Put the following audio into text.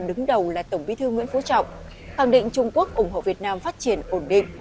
đứng đầu là tổng bí thư nguyễn phú trọng khẳng định trung quốc ủng hộ việt nam phát triển ổn định